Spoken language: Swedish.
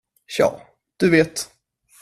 Tja, du vet.